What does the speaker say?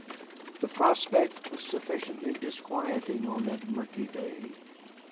The prospect was sufficiently disquieting on that murky day.